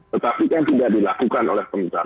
tetapi kan tidak dilakukan oleh pengusaha